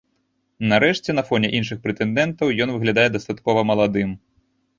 Нарэшце, на фоне іншых прэтэндэнтаў ён выглядае дастаткова маладым.